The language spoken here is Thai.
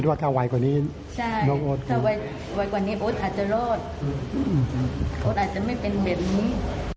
ใช่ถ้าวายกว่านี้โอ๊ตอาจจะรอดโอ๊ตอาจจะไม่เป็นแบบนี้